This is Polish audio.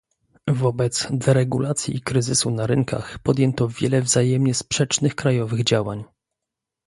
Wobec deregulacji i kryzysu na rynkach podjęto wiele wzajemnie sprzecznych krajowych działań